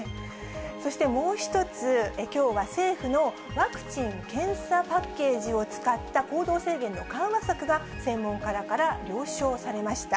そしてもう一つ、きょうは政府のワクチン・検査パッケージを使った行動制限の緩和策が、専門家らから了承されました。